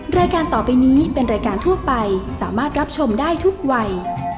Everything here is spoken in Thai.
รายการต่อไปนี้เป็นรายการทั่วไปสามารถรับชมได้ทุกวัย